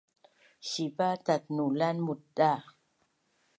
Siva tatnulan mutda’